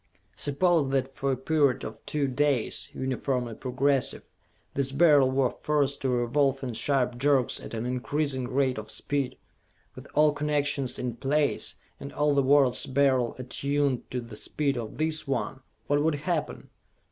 "Suppose that for a period of two days, uniformly progressive, this Beryl were forced to revolve in sharp jerks at an increasing rate of speed! With all connections in place, and all the world's Beryls attuned to the speed of this one what would happen?